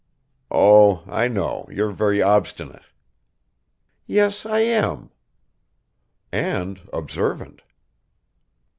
"Oh, I know, you're very obstinate." "Yes, I am." "And observant."